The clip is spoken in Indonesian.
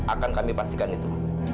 akan kami pastikan itu